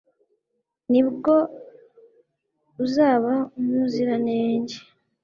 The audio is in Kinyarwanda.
ni bwo uzaba umuziranenge